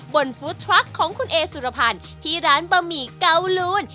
ฟู้ดทรัคของคุณเอสุรพันธ์ที่ร้านบะหมี่เกาลูน